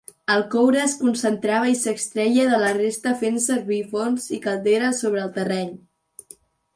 El coure es concentrava i s'extreia de la resta fent servir forns i calderes sobre el terreny.